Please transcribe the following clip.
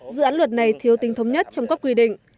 dự án luật này thiếu tinh thống nhất trong các quy định